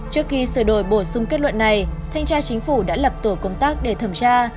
trước khi sửa đổi bổ sung kết luận này thanh tra chính phủ đã lập tổ công tác để thẩm tra